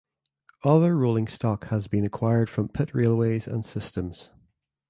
Other rolling stock has been acquired from pit railways and systems.